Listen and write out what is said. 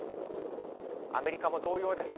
アメリカも同様です。